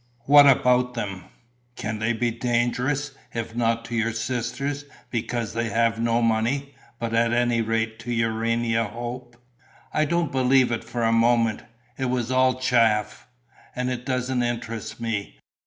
"What about them?" "Can be dangerous, if not to your sisters, because they have no money, but at any rate to Urania Hope." "I don't believe it for a moment. It was all chaff. And it doesn't interest me.